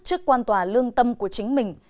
trước quan tòa lương tâm của chính mình